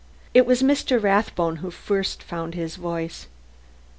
It was Mr. Rathbone who first found voice.